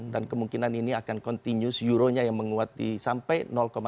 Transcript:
dan kemungkinan ini akan continues euro nya yang menguat sampai sembilan